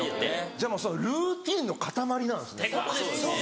じゃもうルーティンのかたまりなんですね。